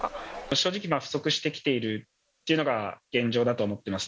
正直、不足してきているというのが現状だと思ってます。